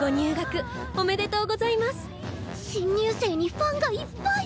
新入生にファンがいっぱい！